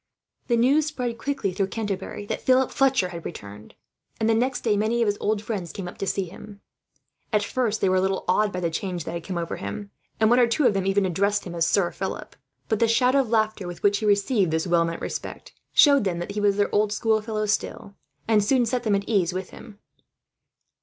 The news spread quickly through Canterbury that Philip Fletcher had returned, and the next day many of his old friends came up to see him. At first they were a little awed by the change that had come over him, and one or two of them even addressed him as Sir Philip. But the shout of laughter, with which he received this well meant respect, showed them that he was their old schoolfellow still; and soon set them at their ease with him.